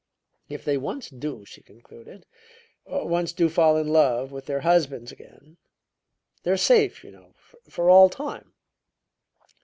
"If they once do," she concluded, "once do fall in love with their husbands again, they're safe, you know, for all time."